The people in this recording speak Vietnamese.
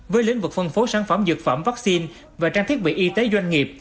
với lĩnh vực phân phối sản phẩm dược phẩm vaccine và trang thiết bị y tế doanh nghiệp